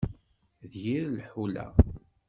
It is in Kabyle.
D yir lḥula.